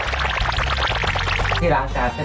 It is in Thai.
ถ้ามีกินเผาอะไรต่อ